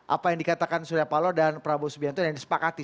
apa yang dikatakan suryapala dan prabowo subianto yang disepakati